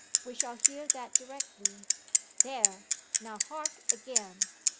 We shall hear that directly.... There, now hark again.